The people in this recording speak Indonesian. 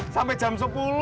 sampai jam sepuluh